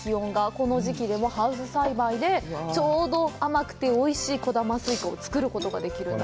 この時期でもハウス栽培でちょうど甘くておいしい小玉スイカを作ることできるんです。